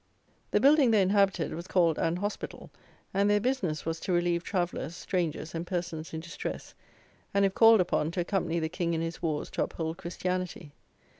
The building they inhabited was called an Hospital, and their business was to relieve travellers, strangers, and persons in distress; and, if called upon, to accompany the king in his wars to uphold christianity.